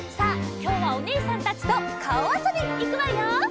きょうはおねえさんたちとかおあそびいくわよ！